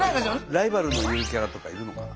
ライバルのゆるキャラとかいるのかな。